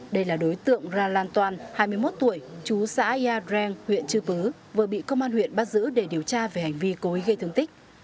đây là đối tượng ra lan toan hai mươi một tuổi chú xã ia reng huyện chư pứ vừa bị công an huyện bắt giữ để điều tra về hành vi cối gây thương tích